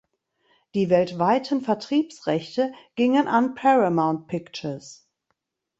Die weltweiten Vertriebsrechte gingen an Paramount Pictures.